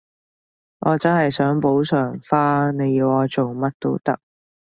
我真係想補償返，你要我做乜都得